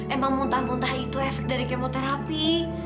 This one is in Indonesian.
emang muntah muntah itu efek dari kemoterapi